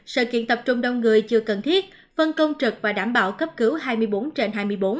sự kiện tập trung đông người chưa cần thiết phân công trực và đảm bảo cấp cứu hai mươi bốn trên hai mươi bốn